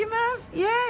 イエイ！